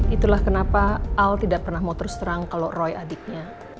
itulah kenapa al tidak pernah mau terus terang kalau roy adiknya